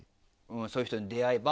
そういう人に出会えば。